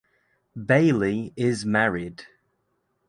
Baillie is married.